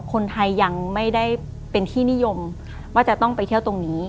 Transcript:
คนไทยยังไม่ได้เป็นที่นิยมว่าจะต้องไปเที่ยวตรงนี้